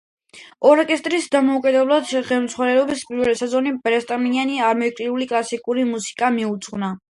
ორკესტრის დამოუკიდებლად ხელმძღვანელობის პირველი სეზონი ბერნსტაინმა ამერიკულ კლასიკურ მუსიკას მიუძღვნა.